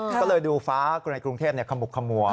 ก็เลยดูฟ้าคนในกรุงเทพขมุกขมัว